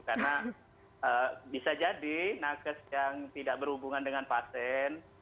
karena bisa jadi nakes yang tidak berhubungan dengan pasien